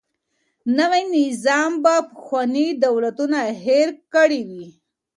نوی نظام به پخواني دولتونه هیر کړي وي.